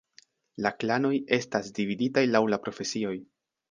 La klanoj estas dividitaj laŭ la profesioj.